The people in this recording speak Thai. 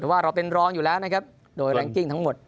แต่ว่าเราเป็นรองอยู่แล้วนะครับโดยแรงกิ้งทั้งหมด